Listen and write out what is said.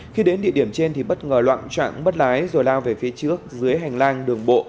khi đến địa điểm trên thì bất ngờ loạn trạng mất lái rồi lao về phía trước dưới hành lang đường bộ